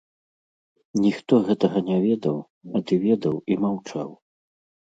Ніхто гэтага не ведаў, а ты ведаў і маўчаў.